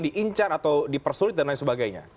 diincar atau dipersulit dan lain sebagainya